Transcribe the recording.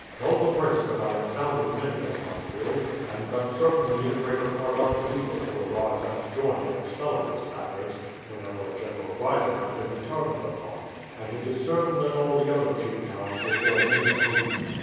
Tell the prince that I have sounded many of my guild, and that certainly the greater part of the weavers will rise and join in expelling the Spaniards whenever a general rising has been determined upon; and it is certain that all the other chief towns will join in the movement.